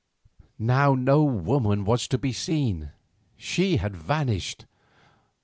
Now no woman was to be seen; she had vanished.